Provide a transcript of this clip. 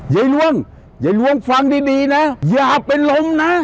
เย้ลวงเย้ลวงฟังดีนะอย่าเป็นหลมนะ